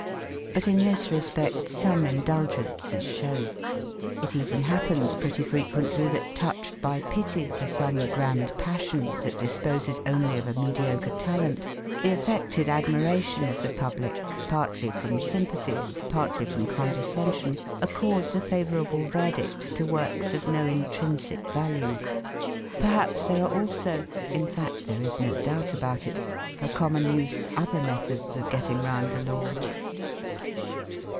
But in this respect some indulgence is shown. It even happens pretty frequently that touched by pity for some grand passion that disposes only of a mediocre talent, the affected admiration of the public partly from sympathy and partly from condescension accords a favourable verdict to works of no intrinsic value. Perhaps there are also (in fact there is no doubt about it) for common use other methods of getting round the law.